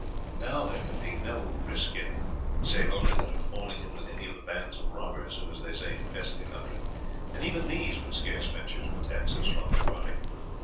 Now there can be no risk in it, saving only that of falling in with any of the bands of robbers who, as they say, infest the country, and even these would scarce venture to attack so strong a party.